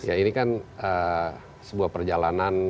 ya ini kan sebuah perjalanan